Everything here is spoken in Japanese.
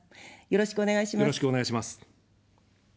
よろしくお願いします。